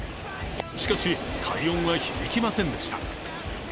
しかし、快音は響きませんでした。